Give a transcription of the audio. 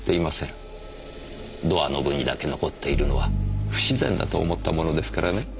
ドアノブにだけ残っているのは不自然だと思ったものですからね。